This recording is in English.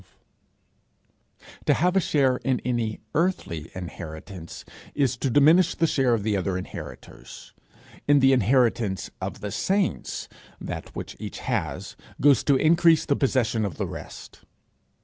To have a share in any earthly inheritance, is to diminish the share of the other inheritors. In the inheritance of the saints, that which each has, goes to increase the possession of the rest.